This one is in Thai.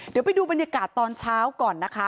เดี๋ยวไปดูบรรยากาศตอนเช้าก่อนนะคะ